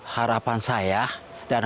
harapan saya dan harapan